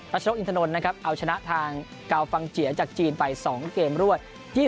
รัชนกอินทนนเอาชนะทางเกาฟังเจียจากจีนไป๒เกมรวด